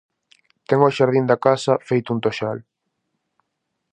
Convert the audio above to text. Ten o xardín da casa feito un toxal.